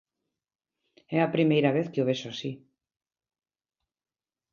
É a primeira vez que o vexo así.